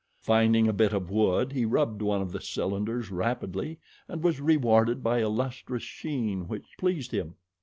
Finding a bit of wood he rubbed one of the cylinders rapidly and was rewarded by a lustrous sheen which pleased him.